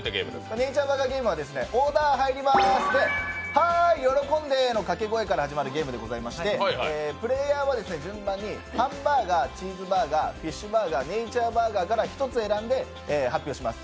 「ネイチャーバーガーゲーム」はオーダー入ります！って言われたらはい喜んで！のかけ声から始まるゲームでして、プレーヤーは順番にハンバーガーチーズバーガー、フィッシュバーガー、ネイチャーバーガーから１つ選んで発表します。